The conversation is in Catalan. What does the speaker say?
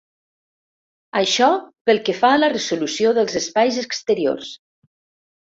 Això pel que fa a la resolució dels espais exteriors.